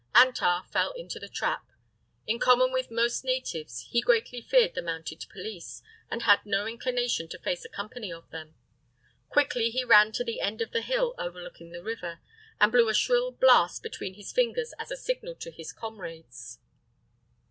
Antar fell into the trap. In common with most natives, he greatly feared the mounted police, and had no inclination to face a company of them. Quickly he ran to the end of the hill overlooking the river, and blew a shrill blast between his fingers as a signal to his comrades.